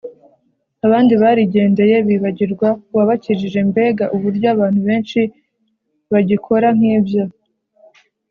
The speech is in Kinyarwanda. abandi barigendeye bibagirwa uwabakijije mbega uburyo abantu benshi bagikora nk’ibyo!